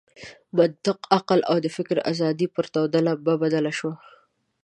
منطق، عقل او د فکر آزادي پر توده لمبه بدله شوه.